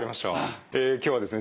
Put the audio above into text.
え今日はですね